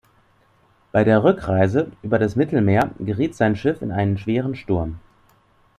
Bei der Rückreise über das Mittelmeer geriet sein Schiff in einen schweren Sturm.